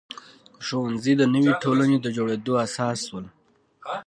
ښوونځي د نوې ټولنې د جوړېدو اساس شول.